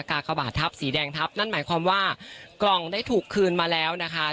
กากบาททับสีแดงทับนั่นหมายความว่ากล่องได้ถูกคืนมาแล้วนะคะ